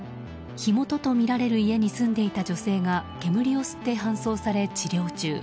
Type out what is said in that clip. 火元とみられる家に住んでいた女性が煙を吸って搬送され治療中。